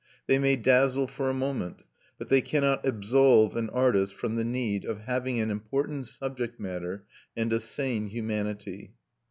They may dazzle for a moment, but they cannot absolve an artist from the need of having an important subject matter and a sane humanity.